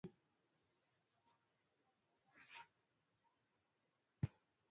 Kiwango cha maambukizi kwa wanyama hutofautiana kutoka eneo moja hadi jingine